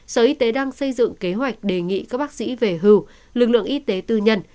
sở y tế đang xây dựng kế hoạch đề nghị các bác sĩ về hưu lực lượng y tế tư nhân